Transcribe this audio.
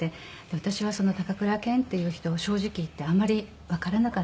私は高倉健っていう人を正直言ってあんまりわからなかったんですね。